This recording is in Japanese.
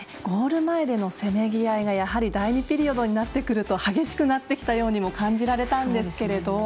ゴール前でのせめぎあいが第２ピリオドになってくると激しくなってきたようにも感じられたんですけど。